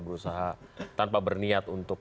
berusaha tanpa berniat untuk